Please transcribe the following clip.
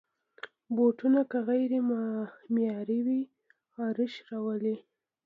بوټونه که غیر معیاري وي، خارش راولي.